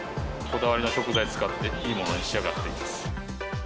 こだわりの食材使って、いいものに仕上がっています。